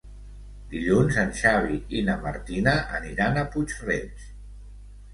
Dilluns en Xavi i na Martina aniran a Puig-reig.